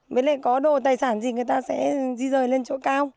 với lại có đồ tài sản gì người ta sẽ duy dời lên chỗ cao